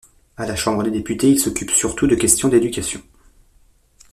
A la Chambre des députés, il s'occupe surtout de questions d'éducation.